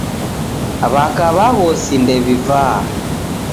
W'aka w'aghosi ndew'ivaa